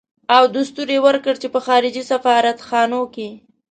او دستور يې ورکړ چې په خارجي سفارت خانو کې.